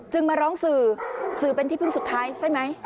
มาร้องสื่อสื่อเป็นที่พึ่งสุดท้ายใช่ไหม